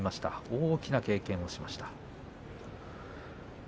大きな経験をしました。